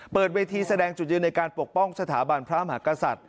เปิดเวทีแสดงจุดยืนในการปกป้องสถาบันพระมหากษัตริย์